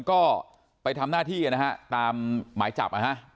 ก็ไปทำหน้าที่ตามหมายจับไหมครับ